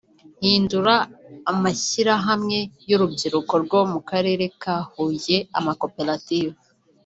ihindura amashyirahamwe y’urubyiruko rwo mu Karere ka Huye amakoperative